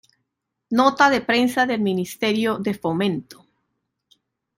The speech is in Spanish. Nota de prensa del Ministerio de Fomento